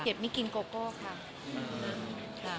เก็บไม่กินโกโก้ค่ะ